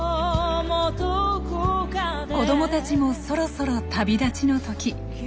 子どもたちもそろそろ旅立ちの時。